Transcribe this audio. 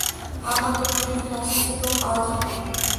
ہاں مگر تھوڑی نفاست سے تُم آؤجاؤ